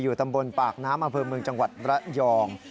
ตำบลปากน้ำอำเภอเมืองจังหวัดระยอง